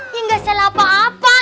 ya gak salah apa apa